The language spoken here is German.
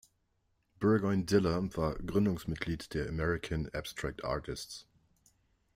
Burgoyne Diller war Gründungsmitglied der American Abstract Artists.